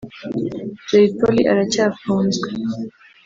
Jay Polly aracyafunzwe